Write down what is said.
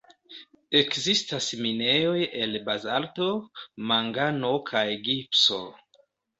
Ekzistas minejoj el bazalto, mangano kaj gipso.